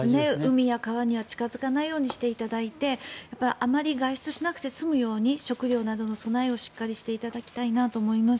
海や川には近付かないようにしていただいてあまり外出しなくて済むように食料などの備えをしっかりしていただきたいと思います。